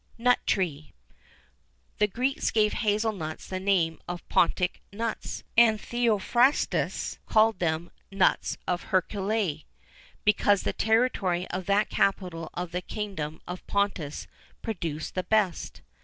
NUT TREE. The Greeks gave hazel nuts the name of "Pontic Nuts," and Theophrastus calls them "Nuts of Heraclea," because the territory of that capital of the kingdom of Pontus produced the best.